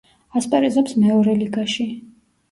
ასპარეზობს მეორე ლიგაში.